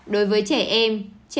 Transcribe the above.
đối với trẻ em